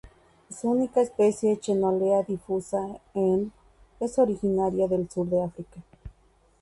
Su única especie:Chenolea diffusa Endl., es originaria del sur de África.